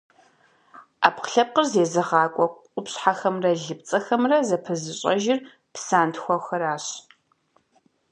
Ӏэпкълъэпкъыр зезыгъакӏуэ къупщхьэхэмрэ лыпцӏэхэмрэ зэпызыщӏэжыр псантхуэхэращ.